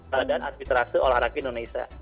badan arbitrase keolahragaan indonesia